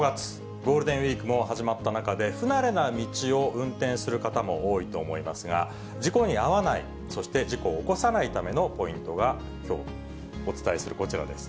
ゴールデンウィークも始まった中で、不慣れな道を運転する方も多いと思いますが、事故に遭わない、そして事故を起こさないためのポイントがきょう、お伝えするこちらです。